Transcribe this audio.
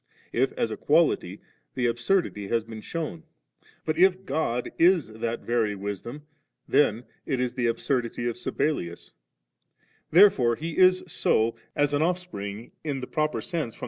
if as a quality, the absurdity has been shewn; but if God is that Very Wisdom, then it is the absurdi|hr of Sabellius ; therefore He is so^ as an Off spring in a proper sense firom the Fadier iB.